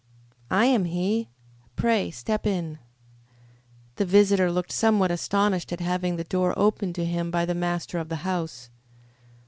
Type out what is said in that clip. "I am he. Pray step in." The visitor looked somewhat astonished at having the door opened to him by the master of the house.